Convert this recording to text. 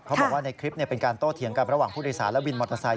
บอกว่าในคลิปเป็นการโต้เถียงกันระหว่างผู้โดยสารและวินมอเตอร์ไซค